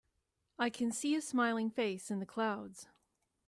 I can see a smiling face in the clouds.